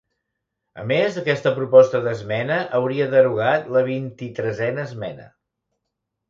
A més, aquesta proposta d'esmena hauria derogat la Vint-i-tresena Esmena.